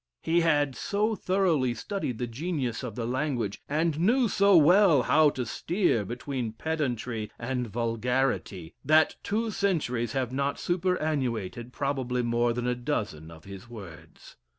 He had so thoroughly studied the genius of the language, and knew so well how to steer between pedantry and vulgarity, that two centuries have not superannuated probably more than a dozen of his words."